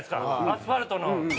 アスファルトの上に。